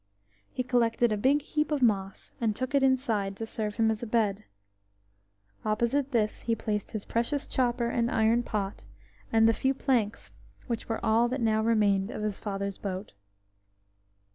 He collected a big heap of moss, and took it inside to serve him as a bed. Opposite this he placed his precious chopper and iron pot, and the few planks which were all that now remained of his father's boat.